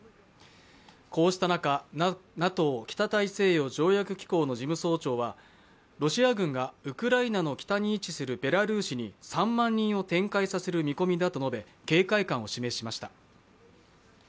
こうした中、ＮＡＴＯ＝北大西洋条約機構の事務総長はロシア軍がウクライナの北に位置するベラルーシに３万人を展開させる見込みだと述べ警戒感を示しました。